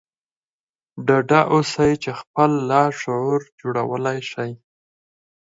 ډاډه اوسئ چې خپل لاشعور جوړولای شئ